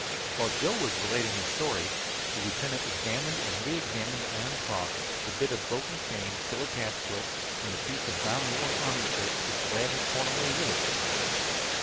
While Joe was relating his story the lieutenant examined and re examined the iron cross, the bit of broken chain still attached to it, and the piece of brown woolen army shirt which the lad had torn away with it.